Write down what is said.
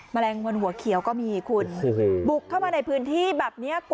แมลงวันหัวเขียวก็มีคุณบุกเข้ามาในพื้นที่แบบนี้